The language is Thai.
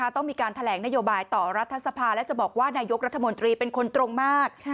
ต้องมีการแถลงนโยบายต่อรัฐสภาและจะบอกว่านายกรัฐมนตรีเป็นคนตรงมาก